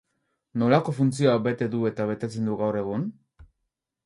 Nolako funtzioa bete du eta betetzen du gaur egun?